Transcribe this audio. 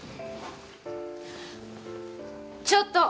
ちょっと！